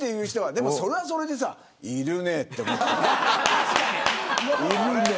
でも、それはそれでいるねと。